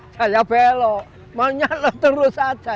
saya belok maunya lo terus saja